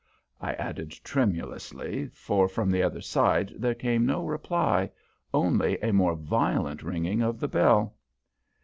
I added, tremulously, for from the other side there came no reply only a more violent ringing of the bell.